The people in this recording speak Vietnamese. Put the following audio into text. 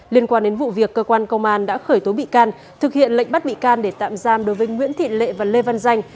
liên quan đến vụ việc cơ quan công an đã khởi tố bị can thực hiện lệnh bắt bị can để tạm giam đối với nguyễn thị lệ và lê văn danh